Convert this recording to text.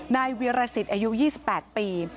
นายเวียรสิตอายุ๒๘ปี